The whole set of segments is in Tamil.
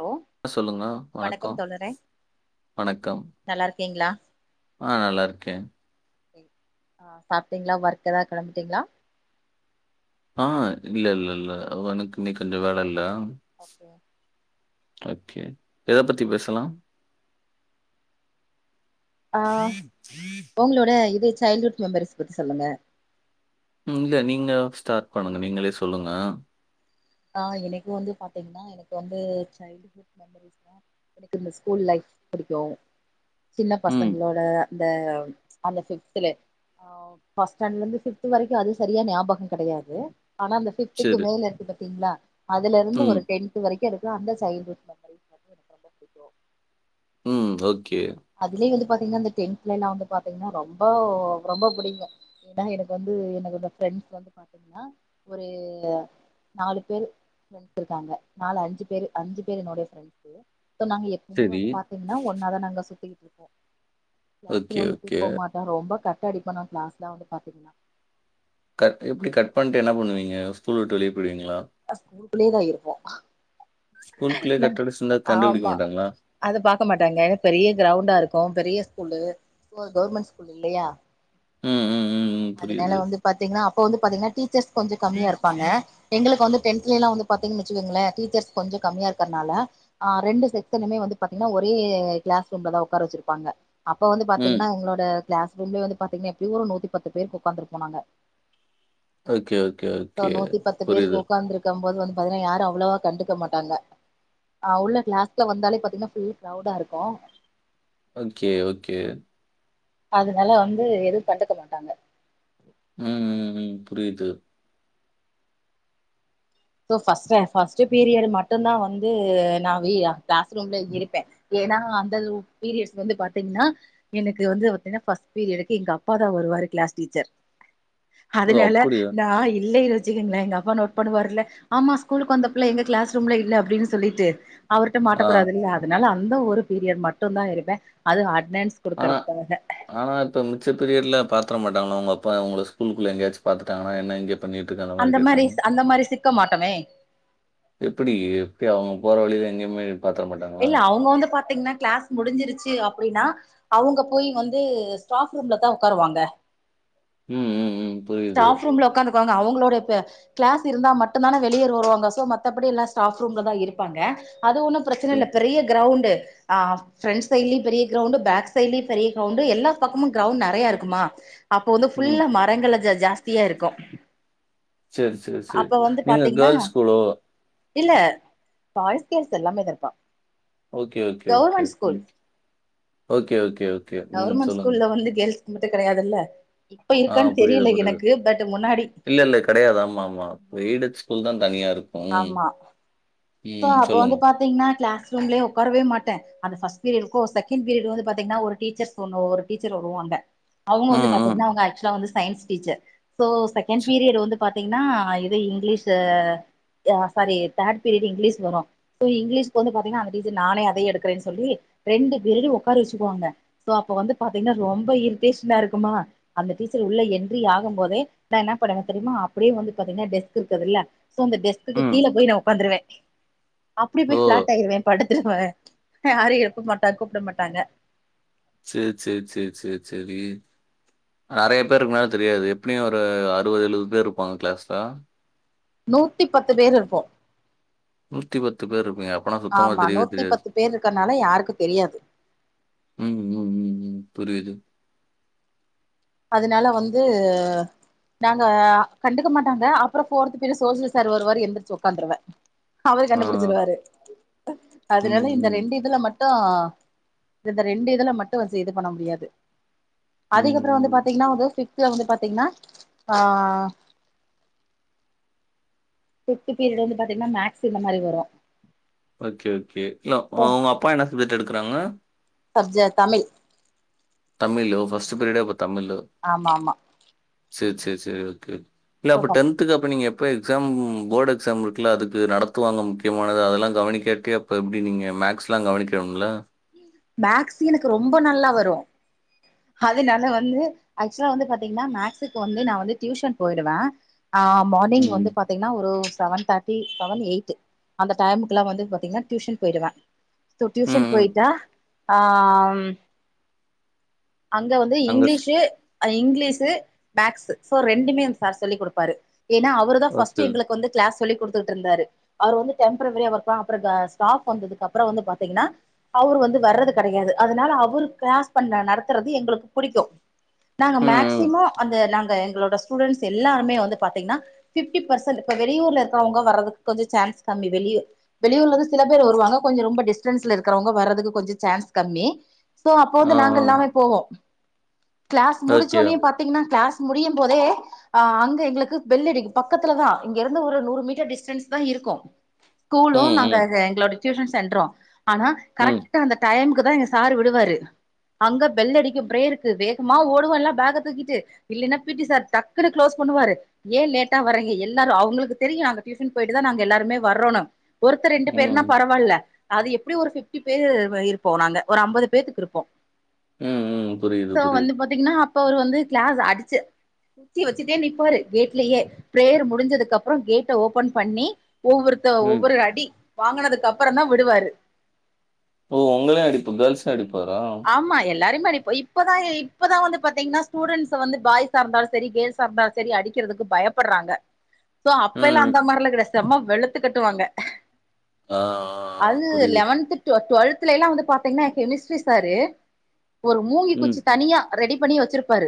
ஹலோ சொல்லுங்க வணக்கோ வணக்கம் வணக்கம் நல்லார்க்கீங்ளா அ நல்லார்க்கே ஆ சாப்பிட்டீங்ளா ஒர்க் ஏதா கெளம்பிட்டீங்ளா ஆ இல்லல்ல ல்ல அவனுக்கு இன்னக்கி கொஞ்ச வேல இல்ல ஓகே ஓகே எத பத்தி பேசலாம் ஆ ஒங்களோட இது சைல்ட் வுட் மெமரிஸ் பத்தி சொல்லுங்க ம் இல்ல நீங்க ஸ்டாட் பண்ணுங்க நீங்களே சொல்லுங்க ஆ எனக்கு வந்து பாத்தீங்னா எனக்கு வந்து சைல்டுஹுட் மெமரி எனக்கு இந்த ஸ்கூல் லைஃப் புடிக்கும் சின்ன ம். பசங்ளோட அந்த ஃபிப்துலே ஆ ஃபஸ்டாண்லந்து ஃபிப்து வரைக்கு அது சரியா ஞாபகம் கெடயாது ஆனா அந்த ஃபிப்துக்கு சரி. மேல இருக்கு பாத்தீங்ளா அதுலருந்து ம். ஒரு டென்த் வரைக்கும் இருக்கு அந்த சைடு இருக்கும் ம் ஓகே அதுல்யு வந்து பாத்தீங்னா அந்த டென்த்ல எல்லாம் வந்து பாத்தீங்னா ரொம்ப ரொம்ப புடிக்கும் தா எனக்கு வந்து என்னோட ஃப்ரெண்ஸ் வந்து பா நா ஒரு நாலு பேரு இருக்காங்க நாலு அஞ்சு பேரு அஞ்சு பேரு என்னோடய ஃப்ரெண்ஸூ சோ நாங்க எப்பவுமே சரி. வந்து பாத்தீங்கனா ஒன்னாதா நாங்க சுத்திகிட்ருப்போம் ஓகே, கேங் ஓகே. போ மாட் நா ரொம்ப கட் அடிப்ப நா க்ளாஸ்லா வந்து பாத்தீங்கன்னா கட் எப்டி கட் பண்ட்டு என்ன பண்ணுவீங்க ஸ்கூல் விட்டு வெளிய போய்டுவீங்ளா அ ஸ்கூல்குள்ளயே தா இருப்போம் ஸ்கூல்குள்ளயே கட் அடிஷ்ந்தா கண்டுபுடிக்க மாட்டாங்ளா அது பாக்க மாட்டாங்க ஏ பெரிய க்ரௌண்டா இருக்கும் பெரிய ஸ்கூலு கவர்மெண்ட் ஸ்கூல் இல்லையா ம் ம் ம் ம் அதுனால புரியுது. வந்து பாத்தீங்னா அப்ப வந்து பாத்தீங்னா டீச்சர்ஸ் கொஞ்சம் கம்மியா இருப்பாங்க எங்ளுக்கு வந்து டென்த்லைலா வந்து பாத்தீங் வச்சுக்கங்களேன் டீச்சர்ஸ் கொஞ்சொ கம்மியா இருக்கற்னால ஆ ரெண்டு செக்ஸனுமே வந்து பாத்தீங்னா ஒரே க்ளாஸ் ரூம்லதா உக்கார வெச்சிருப்பாங்க அப்ப வந்து ம். பாத்தீங்னா எங்ளோட க்ளாஸ் ரூம்லே வந்து பாத்தீங்க எப்டி ஒரு நூத்திபத்து பேர் உக்காந்துருப்பாங்க ஓகே, ஓகே, சோ ஓகே. நூத்திபத்து புரியுது. பேருக்கு உக்காந்துரு இருக்கும்போது வந்து பாத்தனா யாரும் அவ்வளவா கண்டுக்க மாட்டாங்க ஆ உள்ள க்ளாஸ்ல வந்தாலே பாத்தீங்னா ஃபுல் க்ரௌடா இருக்கும் ஓகே ஓகே அதுனால வந்து எது கண்டுக்க மாட்டாங்க ம் ம் ம் புரியுது ஸோ ஃபஸ்ட ஃபஸ்ட் பீரியட் மட்டு தா வந்து நா வி க்ளாஸ் ரூம்லே இருப்பே ஏனா அந்த லு பீரியட்ஸ் வந்து பாத்தீங்னா எனக்கு வந்து பாத்தினா ஃபஸ் பீரியடுக்கு எங்க அப்பா தா வருவாரு க்ளாஸ் டீச்சர் ஓ! அதுனால அப்படியா? நா இல்லைனு வெச்சுக்கங்ளே எங்க அப்பா நோட் பண்ணுவாருல்ல ஆமா ஸ்கூலுக்கு வந்த பிள்ள எங்க க்ளாஸ் ரூம்ல இல்ல அப்டின் சொல்லிட்டு அவர்ட்ட மாட்ட ஆ கூடாதுல்ல அதனால அந்த ஒரு பீரியட் மட்டு தா இருப்பே அது அட்னன்ஸ் ஆனா குடுக்கறதுக்காக ஆனா இப்ப மிச்ச பீரியட்ல பாத்துர மாட்டாங்ளா உங்க அப்பா உங்கள ஸ்கூல்குள்ள எங்யாச்சு பாத்துடாங்னா என்ன இங்கே அந்த மாரி அந்த மாரி சிக்க மாட்டோமே எப்டி எப்டி அவங் போற வழில எங்யுமே இல்ல அவுங்க வந்து பாத்தீங்னா க்ளாஸ் முடிஞ்சிருச்சு அப்டினா அவுங்க போய் வந்து ஸ்டாஃப் ரூம்ல தா ஒக்காருவாங்க ம் ம் ம் புரியுது. ஸ்டாஃப் ரூம்ல உக்காந்துபாங்க அவங்களோடய பே க்ளாஸ் இருந்தா மட்டுந்தான வெளிய வருவாங்க சோ மத்தபடி எல்லா ஸ்டாஃப் ரூம்ல தா இருப்பாங்க அது ஒண்ணும் பெரச்சனல்ல ம், பெரிய க்ரௌண்டு ஆ ஃப்ரண்ட் சைட்லயு பெரிய க்ரௌண்ட் பேக் சைட்லயு பெரிய க்ரௌண்ட் எல்லா பக்கமு க்ரௌண் நெறயா இருக்குமா அப்போ வந்து ம். ஃபுல்லா மரங்கள ஜ ஜாஸ்தியா இருக்கும் சேர் சேர் சேரி நீங்க கேர்ள்ஸ் ஸ்கூலோ இல்ல பாய்ஸ் கேள்ஸ் எல்லாமேதருப்பா ஓகே ஓகே ஓகே ம் ஓகே ஓகே ஒ கவொர்மென் ஸ்கூல்ல வந்து கேல்ஸ் மட்டு கெடையாதுல்ல இப்ப ஆ இருக்கான் தெரியில எனக்கு பட் முன்னாடி கெடயாது ஆமா ஆமா பெய்டட் ஸ்கூல் தா தனியா இரு ஆமா சோ அப்ப சொல்லுங்க. வந்து பாத்தீங்னா க்ளாஸ் ரூம்லயே ஒக்காரவே மாட்டே அந்த பஸ்ட் பீரியடுக்கும் செகண்ட் பீரியடு வந்து பாத்திங்கன்னா ஒரு டீச்சர்ஸ் ஒன்னு ஒரு டீச்சர் வருவாங்க அவுங்க ம், வந்து ம், பாத்தீங்கன்னா அவுங்க ஆக்சுவலா வந்து science teacher so second period வந்து பாத் பாத்தீங்கன்னா இது இங்கிலீஷு அ சாரி தேட் பீரியட் இங்கிலீஸ் வரும் சோ இங்கிலீஷ்கு வந்து பாத்தீங்கன்னா அந்த டீச்சர் நானே அதையு எடுக்கறேன்னு சொல்லி ரெண்டு பீரியடும் ஓக்கார வச்சிக்குவாங்க சோ அப்ப வந்து பாத்தீங்கன்னா ரொம்ப இரிட்டேஷ்னா இருக்குமா அந்த டீச்சர் உள்ள என்ட்ரி ஆகு போதே நா என்ன பன்னுவ தெரியுமா அப்டியே வந்து பாத்தீங்கன்னா டெஸ்க் இருக்குதுல சோ அந்த டெஸ்க்கு ம். கீழ போய் நான் ஒக்காந்துருவ அப்டியே ஓ! போய் ஃப்ளாட் ஆய்டுவே படுத்துருவ யாரும் எழுப்ப மாட்டா கூப்ட மாட்டாங்க சேர் சேர் சேர் சேர் செரி நறைய பேர் இருக்குனால தெரியாது எப்டியும் ஒரு அறுபது எழுபது பேர் இருப்பாங்க கிளாஸ்ல நூத்தி பத்து பேர் இருப்போம் பேர் இருப்பீங்க. அப்பனா சுத்தமா ஆமா தெரியவே நூத்தி தெரியாது. பத்து பேர் இருக்கனால யாருக்கு தெரியாது ம் ம் ம் ம் புரிது அதனால வந்து நாங்க கண்டுக்க மாட்டாங்க அப்றம் ஃபோர்து பீரியட் சோசியல சார் வருவாரு எந்திரச்சி ஒக்காந்துருவ அவரே ஆ. கண்டுபுடிச்சிருவாரு ம், அதனால இந்த ம். ரெண்டு இதுல மட்டு இந்த ரெண்டு இதுல மட்டும் சி இது பண்ண முடியாது ம், அதுக்கப்பறம் வந்து ம். பாத்தீங்கன்னா அதே பிஃப்த்ல வந்து பாத்தீங்கன்னா ஆ ஃபிப்த் பீரியட் வந்து பாத்தீங்கன்னா மேக்ஸ் இந்த மாரி வரும் ஓகே ஓகே இல்ல அவுங்க அப்பா என்ன சப்ஜெக்ட் எடுக்கறாங்க சப்ஜ தமிழ் தமிழ் ஓ பஸ்ட் பீரியட்டே அப்போ தமிழு ஆமா ஆமா சேர் சேர் சேர் ஓகே இல்ல அப்ப டென் த்க்கு அப்ப நீங்க எப்போ எக்ஸாம் போர்டு எக்ஸாம் இருக்குல அதுக்கு நடத்துவாங்க முக்கியமானது அதல்லாம் கவனிக்காட்டி அப்ப எப்டி நீங்க மேக்ஸ்லாம் கவனிக்கனும்ல மேக்ஸ் எனக்கு ரொம்ப நல்லா வரும் அதனால வந்து ஆக்சுலா வந்து பாத்தீங்கன்னா மேக்ஸுக்கு வந்து நா வந்து டியூஷன் போயிடுவ ஆ மானிங் வந்து ம். பாத்தீங்கன்னா ஒரு செவன் தேர்ட்டி செவன் எயிட் அந்த டைமுக்குல்லாம் வந்து பாத்தீங்கன்னா டியூஷன் போய்டுவ ம், டியூஷன் ம். போயிட்டா ஆ அங்க வந்து அங்க ஸ் இங்கிலீஷு அது இங்கிலீஷு மேக்ஸ்சு சோ ரெண்டுமே சார் சொல்லி குடுப்பாரு ஏன்னா அவரு தா ஃபர்ஸ்ட் ஓகே. எங்ளுக் வந்து க்ளாஸ் சொல்லி குடுத்துட்டுருந்தாரு அவரு வந்து டெம்ப்ரவரி அவர் தா அப்றம் ஸ்டாப் வந்ததுக்கப்றம் வந்து பாத்தீங்கன்னா அவர் வந்து வர்றது கடையாது அதனால அவர் கிளாஸ் பண்ண நடத் துறது எங்களுக்கு புடிக்கும் நாங்க ம், ம். மேக்சிமோ அந்த நாங்க எங்களோட ஸ் டூடன்ஸ் எல்லாருமே வந்து பாத்தீங்கன்னா பிப்டி பர்சன்ட் இப்ப வெளியூர்ல இருக்கவங்க வரதுக்கு கொஞ்சோ சான்ஸ் கம்மி வெளிய வெளியூர்லந்து சில பேர் வருவாங்க கொஞ்சம் ரொம்ப டிஸ்டன்ஸ்ல இருக்கறவங்க வர்றதுக்கு கொஞ்சோ சான்ஸ் கம்மி சோ அப்ப ஆ, வந்து நாங்க ஆ. எல்லாமே போவோம் கிளாஸ் ஓகே. முடிச்சோனே பாத் திங்கனா க்ளாஸ் முடியும் போதே ஆ அங்க எங்களுக்கு பெல் அடிக்கு பக்கத்துல தா இங்க இருந்து ஒரு நூறு மீட்டர் டிஸ்டன்ஸ் தா இருக்கு ம், ஸ்கூலு நாங்க ம், எங்களோட டியூஷன் சென்று ஆனா ம், கரெக்ட் ட்டா அந்த டைமுக்கு தா எங்க சார் விடுவாரு அங்க பெல் அடிக்கு பிரேயர்க்கு வேகமா ஓடுவோ எல்லா பேக தூக்கிட்டு இல்லன்னா பீட்டி சார் டக்குன்னு க்ளோஸ் பண்ணுவாரு ஏ லேட்டா வரீக எல்லாரு அவங்களுக்கு தெரியு அங்க டியூஷன் போயிட்டுதா நாங்க எல்லாருமே வரோனு ஒருத்தர் ரெண்டு பேருன்னா ம், பரவால்ல அது எப்டியு ஒரு ஃபிப்டி பேர் இருப்போ நாங்க ஒரு அம்பது பேத்துக்கு இருப்போ ம், ம். புரியுது, சோ வந்து புரியுது. பாத்தீங்கன்னா அப்ப அவரு வந்து கிளாஸ் அடிச்சு குச்சி வச்சுட்டே நிப்பாரு கேட்லயே பிரேயர் முடிஞ்சதுக்கு அப்பற கேட்ட ஓபன் பண்ணி ஒவ்வொரு ம். ஒவ்வொரு அடி வாங்கினதுக்கு அப்பற தா விடுவாரு ஓ உங்களயு அடிப்பு கேல்ஸ்சயு அடிப்பாரா ஆமா எல்லாருமாரி போயி இப்பதா இப்பதா வந்து பாத்தீங்னா ஸ்டூடெண்ட்ஸ வந்து பாய்ஸா இருந்தாலு சரி கேள்ஸ் ஸார்தாலு சரி அடிக்கிறதுக்கு பயப்பறாங்க சோ அப்பெல்லா ம், ம். அந்த மாரிலா கெடையாது செம வெளுத்து கட்டுவாங்க ஆ, ஆ அது புரியுது. லெவன்து டு டுவல்துல எல்லா வந்து பாத்தீங்னா கெமிஸ்ட்ரி சாரு ஒரு மூங்கி ம், குச்சி தனியா ரெடி பண்ணி வச்சிருப்பாரு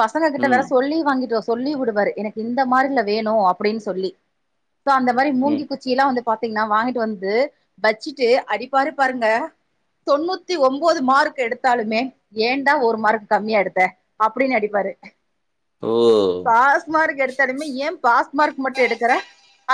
பசங்க கிட்ட வேற ம், சொல்லி வாங்கிட்டு வ சொல்லி வுடுவாரு எனக்கு இந்த மாரில வேணு அப்டீன் சொல்லி சோ அந்த மாரி ம். மூங்கி குச் சியெல்லா வந்து பாத்தீங்னா வாங்கிட்டு வந்து வச்சிட்டு அடிப்பாரு பாருங்க தொண்ணூத் தி ஒம்போது மார்க் எடுத்தாலுமே ஏன்டா ஒரு மார்க் கம்மியா எடுத்த அப்டீன் அடிப்பாரு ஓ! பாஸ்மார்க் எடுத் தாலுமே ஏ பாஸ் மார்க் மட்டு எடுக்கற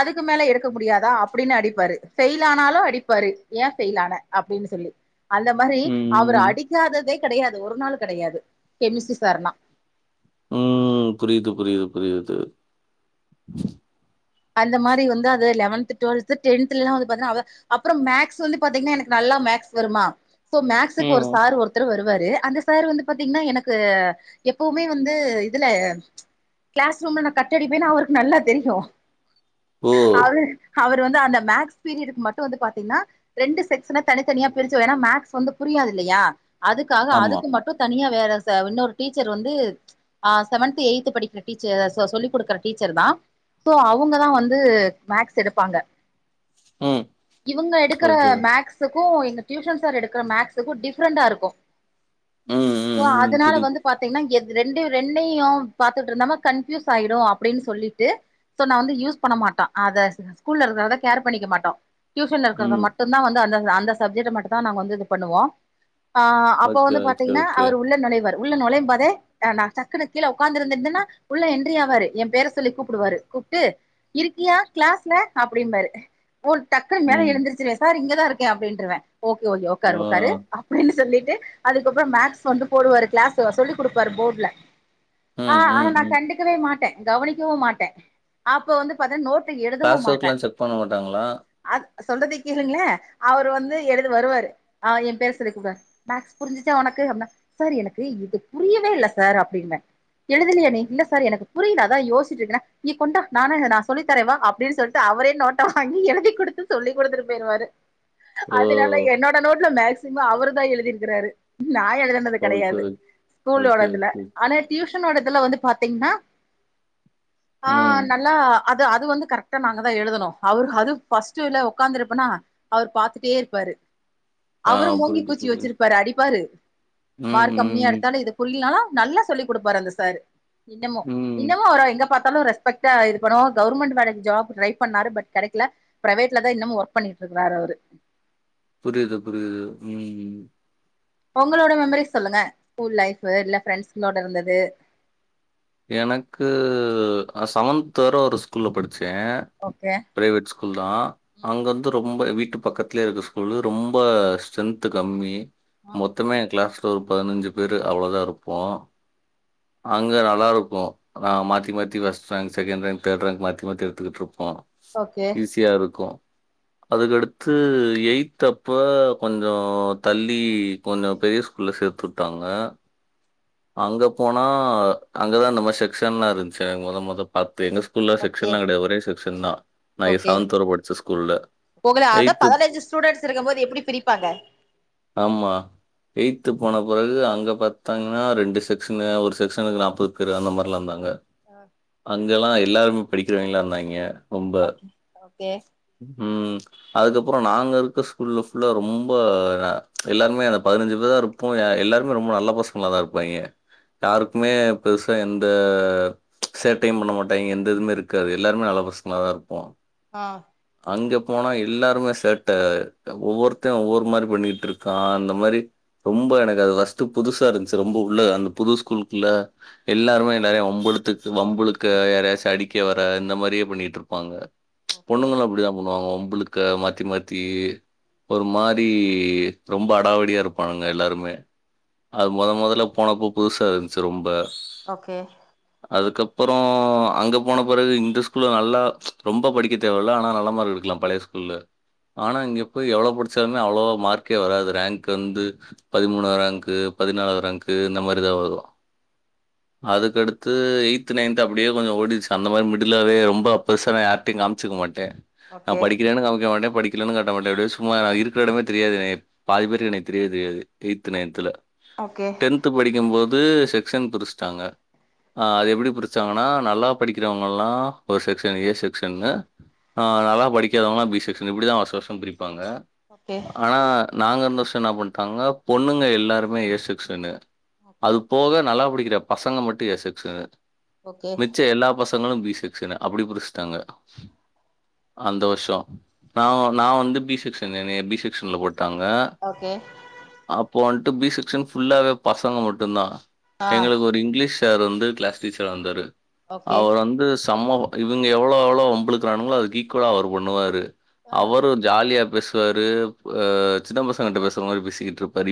அதுக்கு மேல எடுக்க முடியாதா அப்டினு அடிப்பாரு ஃபெயில் ஆனாலு அடிப்பாரு ஏ ஃபெயில் ஆன அப்டினு சொல்லி அந்த மாரி ம், அவரு ம். அடிக்காததே கெடையாது ஒரு நாளு கெடையாது கெமிஸ்ட்ரி சார்னா ம் புரியுது புரியுது புரியுது அந்த மாரி வந்து அது லெவன்த்து டுவல்த்து டென்த்தெல்லா வந்து பாத்தனா அவ அப்புற மேக்ஸ் வந்து பாத்தீங்ன்னா எனக்கு நல்லா மேக்ஸ் வருமா சோ மேக்ஸுக்கு ம். ஒரு சார் ஒருத்தரு வருவாரு அந்த சார் வந்து பாத்தீங்ன்னா எனக்கு எப்பவுமே வந்து இதுல கிளாஸ் ரூம்ல நா கட் அடிப்பேனு அவருக்கு நல்லா தெரியு ஓ! அவரு அவர் வந்து அந்த மேக்ஸ் பீரியடுக்கு மட்டு வந்து பாத்தீங்னா ரெண்டு செக்ஷன தனித்தனியா பிரிச்சிவேணா மேக்ஸ் வந்து புரியாது இல்லையா அதுக்காக ஆமா. அதுக்கு மட்டு தனியா வேற சா இன்னொரு டீச்சர் வந்து ஆ செவன்த்து ஏய்த்து படிக்கிற டீச்சர் சொ சொல்லி குடுக்கற டீச்சர் தா சோ அவ் அவுங்க தா வந்து மேக்ஸ் எடுப்பாங்க ம். இவங்க எடுக்கிற ஓகே. மேக்ஸ் துக்கு எங்க டியூஷன் சார் எடுக்கிற மேக்ஸ்ஸுக்கு டிஃப்ரெண்டா இருக்கு ம், சோ ம், ம். அதனால புரியுது. வந்து பாத்தீங்னா எத் ரெண்டு ரெண்டையு பாத்துட்டிருந்தமா கன்ஃப்யூஸ் ஆயிடு அப்டின் சொல்லிட்டு சோ நா வந்து யூஸ் பண்ண மாட்டா அத ஸ்கூல்ல இருக்கறத கேர் பண்ணிக்க மாட்டோ டியூஷன்ல இருக்கிறத ம். மட் டுந்தா வந்து அந்த அந்த சப்ஜெட்ட மட்டுதா நாங்க வந்து இது பண்ணுவோ ஆ அப்போ ஓகே, வந்து ஓகே, பாத்தீங்னா ஓகே. அவரு உள்ள நுழைவாரு உள்ள நுழையும் பாதே நா டக்குனு கீழே உக்காந்து இருந்தந்தென்னா உள்ள என்றி ஆவாரு என் பேர சொல்லி கூப்டுவாரு கூப் ட்டு இருக்கியா கிளாஸ்ல அப்டிம்பாரு ஓ டக்குன்னு மேல ம். எழுந்திருச்சிருவே சார் இங்கதா இருக் கே அப்டின்றுவே ஓகே ஓகே உக்காரு ஆ. உக்காரு அப்டீனு சொல்லிட்டு அதுக்கப்புற மேக்ஸ் வந்து போடுவாரு கிளாஸ் சொல்லி குடுப்பாரு போட்ல ஆ ம், ஆனா ம், நா ம். கண்டுக்கவே மாட்டே கவனிக்கவு மாட்டே அப்ப வந்து பாத்த நோட்ல எழுதவு கிளாஸ் மாட்டே ஒர்க்லாம் செக் பண்ண மாட்டாங்களா? அ சொல்றத கேளுங்ளே அவுரு வந்து எழுது வருவாரு ஆ ஏ பேர் சொல்லி கூப்டுவாங் மேக்ஸ் புரிஞ்சச்சா ஒனக்கு அப்னா சார் எனக்கு இது புரியவே இல்ல சார் அப்டினே எழுதலயா நீ இல்ல சார் எனக்கு புரில அதா யோசிட்டு இருக்குறே நீ கொண்டா நானு நா சொல்லி தரே வா அப்டின் சொல்ட்டு அவரே நோட்ட வாங்கி எழுதி குடுத்து சொல்லி குடுத்துட்டு பொயிருவாரு ஓ! அதுனால என்னோட நோட்ல மேக்சிமம் அவுரு தா எழுதியிருக்குறாரு நா எழுதுன து ஓகே, கெடையாது ஓகே. ஓகே ஸ்கூலோடதுல ஓகே. ஆனா டியூஷனோட இதுல வந்து பாத்தீங்ன்னா ம். ஆன் அ அது அது வந்து கரெக்டா நாங்க தா எழுதனோ அவரு அது ஃபர்ஸ்ட்டுலா ஒக்காந்திருப்பனா அவுரு பாத்துடே இருப்பாரு ஆ அவுரு மூங்கி புரியுது, குச்சி புரியுது. வச்சிருப்பாரு அடிப்பாரு ம், மார்க் கம்மியா ம், எடுத்தாலு இது புரினாலு நல்லா சொல்லிக் குடுப்பாரு அந்த சாரு இன்னமு ம். இன்னமு அவர எங்க பாத்தாலு ரெஸ் பெக்டா இருக்கனு கவுர்மெண்ட்டு வேலைக்கு ஜாப்பு ட்ரை பண்ணாரு பட் கெடைக்ல பிரேவேட்ல தா இன்னமு வொர்க் பண்ணிட்டு இருக்குறாரு அவுரு புரிது புரிது ம் ஒங்களோட மெமரிஸ் சொல்லுங்க ஸ்கூல் லைஃபு இல்ல ஃப்ரெண்ட்ஸ்கங்களோட இருந்தது எனக்கு செவன்த் வர ஒரு ஸ்கூல்ல படிச்சே ஓகே பிரைவேட் ஸ்கூல் தா அங்கருந்து ரொம்ப வீட்டு பக்கத்துலயே இருக்க ஸ்கூலு ரொம்ப ஸ்ட்ரென்த்து கம்மி ம் மொத்தமே ஏ கிளாஸ்ல ஒரு பதனஞ்சு பேரு அவ்ளோதா இருப்போ அங்க நா நல்லார்க்கு நா மாத்தி மாத்தி first rank second rank third rank மாத்தி மாத்தி எடுத்துகிட்ருப்போ ஓகே ஈஸியா இருக்கு அதுக்கடுத்து எய்த் அப்ப கொஞ்சோ தள்ளி கொஞ்ச பெரிய ஸ்கூல்ல சேத்து வுட்டாங்க [inaudible] அங்க போனா அங்கதா இந்த மாரி செக்க்ஷன்லா இருந்துச்சு மொத மொத பாத்து எங்க ஸ் கூல்ல ஓகே செக்க்ஷன்லா கெடையாது ஒரே செக்க்ஷன் தா நா செவென்த் வர படிச்ச ஸ்கூல்ல ஒங்கள அதா பதனஞ்சு ஸ்டுடண்ட்ஸ் இருக்கம்போது எப்டி பிரிப்பாங்க ஆமா எயி்த்து போன பிறகு அங்க பாத்தாங்கன்னா ரெண்டு செக்க்ஷனு ஒரு செக்க்ஷனுக்கு நாப் பது பேரு அந்த மார்லா இருந்தாங்க அங்கெல்லா எல்லாருமே படிக்கிறவய்ங்களா இருந்தாய்ங்க ரொம்ப. ஒகே ஒகே ம் அதுக்கப்றோ நாங்க இருக்க ஸ்கூல்ல ஃபுல்லா ரொம்ப எல்லாருமே அந்த பதினஞ்சு பேர்தா இருப் போ எல்லாருமே ரொம்ப நல்ல பசங்கள தா இருப்பாய்ங்க யாருக்குமே பெருசா எந்த சேட்டையும் பண்ண மாட்டாய்ங்க எந்த இதுமே இருக்காது எல்லாருமே நல்ல பசங்களா தா இருப்போ ஆ அங்க போனா எல்லாருமே சேட்ட ஒவ்வொருத்தே ஒவ்வொரு மாரி பண்ணிட்ருக்கா அந்த மாரி ரொம்ப எனக்கு அது ஃபர்ஸ்டு புதுசா இருந்துச்சு ரொம்ப உள்ள அந்த புது ஸ்கூல்குள்ள எல்லாருமே நெறைய வம்பிழுத்துட்டு வம்புழுளுக்க யாரயாச்சு அடிக்க வர இந்த மாரியே பண்ணிட்ருப்பாங்க ஓகே பொண்ணுங்களு அப்டிதா பண்ணுவாங்க வம்புளுக்க மாத்தி மாத்தி ஒரு மாரி ரொம்ப அடாவடியா இருப்பானுங்க எல்லாருமே அது மொத மொதல போனப்ப புதுசா இருந்துச்சு ரொம்ப ஓகே அதுக்கப்பறோ அங்க போன பெறகு இந்த ஸ்கூல்ல நல்லா ரொம்ப படிக்க தேவல்ல ஆனா நல்ல மார்க் எடுக்கலா பழைய ஸ் இல்ல ஆனா இங்க போய் எவ்வளோ படிச்சாலுமே அவ்வளவோ மார்க்கே வராது ரேங்க் வந்து பதிமூணா ரேங்க்கு பதினாலா ரேங்க்கு இந்த மாரிதா வரு அதுக்கடுத்து எய்த்து நைன்த் அப்டியே கொஞ்சோ ஓடிடுச்சு அந்த மாரி மிடில்லாவே ரொம்ப பெருசால்லா யார் டயு காம்ச்சுக்க மாட்ட நா ஓகே படிக்கிறேன்னு காமிக்க மாட்ட படிக் இல்லன்னு காட்ட மாட்ட அப்டியே சும்மா இருக்கிற எடமே தெரியாது என் பாதி பேருக்கு என்ன தெரியவே தெரியாது எய்த்து நைன்த்துல ஓகே பத்து படிக்கும்போது செக்க்ஷன் பிரிச்சுட்டாங்க ஆ அது எப்டி பிரிச்சாங்கன்னா நல்லா படிக்கிறவங்கல்லா ஒரு செக்க்ஷன் ஏ செக்க்ஷன்னு ஆ நல்லா படிக்காதவங்கல்லா பி செக்க்ஷன் இப்டிதா வருஷ வருஷோ பிரிப்பாங்க ஓகே ஆனா நாங்க இருந்த வருஷோ என்ன பண்டாங்க பொண்ணுங்க எல்லாருமே ஏ செக்க்ஷனு அது போக நல்லா படிக்கிற பசங்க மட்டு ஏ செக்ஷனு ஓகே மிச்ச எல்லா பசங்க ங்களு பி செக்ஸ்னு அப்டி பிரிச்சுட்டாங்க அந்த வருஷோ நா நா வந்து பி செக்க்ஷன் என்னைய பி செக்க்ஷன்ல்ல போட்டாங்க ஓகே அப்போ வன்ட்டு பி செக்க்ஷன் ஃபுல்லாவே பசங்க மட்டுந்தா ஆ எங்களுக்கு ஒரு இங்க்லீஷ் சர் வந்து க்ளஸ் டீச்சரா வந்தாரு ஓகே அவர் வந்து சம்ம இவங்க எவ்வளோ எவ்வளோ வம்புளுக்குறானுங்களோ அதுக்கு ஈக்குவலா அவரு பண்ணுவாரு ஆஹ் அவரு ஜாலியா பேசுவாரு அ சின்ன பசங்க கிட்ட பேசுற மாரி பேசிக்கிட்ருப்பாரு